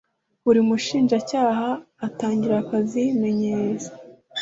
buri mushinjacyaha atangira akazi yimenyereza